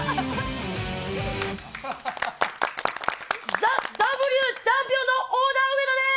ＴＨＥＷチャンピオンのオダウエダです。